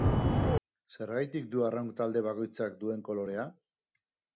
Zergatik du arraun talde bakoitzak duen kolorea?